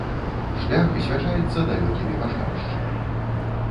Шлях асвячаецца далёкімі пажарышчамі.